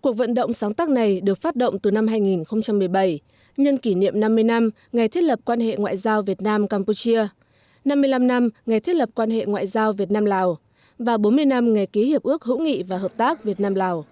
cuộc vận động sáng tác này được phát động từ năm hai nghìn một mươi bảy nhân kỷ niệm năm mươi năm ngày thiết lập quan hệ ngoại giao việt nam campuchia năm mươi năm năm ngày thiết lập quan hệ ngoại giao việt nam lào và bốn mươi năm ngày ký hiệp ước hữu nghị và hợp tác việt nam lào